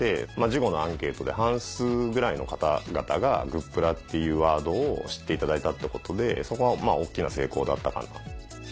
事後のアンケートで半数ぐらいの方々が「＃グップラ」っていうワードを知っていただいたってことでそこは大っきな成功だったかな。